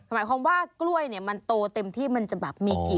หมายความว่ากล้วยเนี่ยมันโตเต็มที่มันจะแบบมีกี่